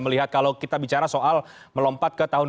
melihat kalau kita bicara soal melompat ke tahun dua ribu dua puluh